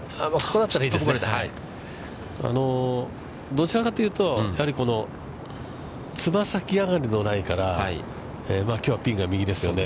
どちらかというと、やはりつま先上がりのライから、きょうはピンが右ですよね。